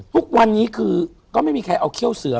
ทุกวันนี้คือก็ไม่มีใครเอาเขี้ยวเสือ